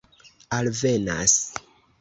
alvenas